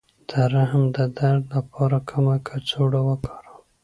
د رحم د درد لپاره کومه کڅوړه وکاروم؟